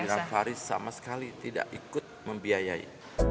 saya seorang dinan faris sama sekali tidak ikut membiayai